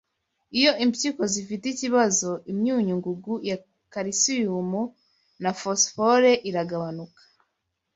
Iyo impyiko zifite ikibazo imyunyungugu ya Kalisiyumu na Phosphore iragabanuka